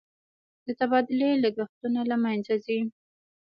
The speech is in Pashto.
د تبادلې لګښتونه له منځه ځي.